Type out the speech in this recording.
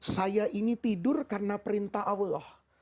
saya ini tidur karena perintah allah